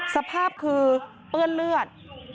สภาพคือเปื้อนเลือด